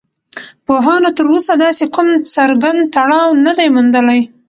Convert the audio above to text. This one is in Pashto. پوهانو تر اوسه داسې کوم څرگند تړاو نه دی موندلی